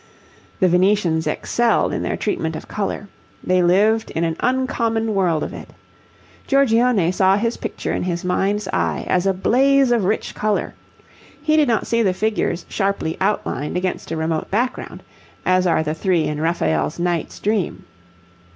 The Venetians excelled in their treatment of colour. They lived in an uncommon world of it. Giorgione saw his picture in his mind's eye as a blaze of rich colour; he did not see the figures sharply outlined against a remote background, as are the three in Raphael's 'Knight's Dream.'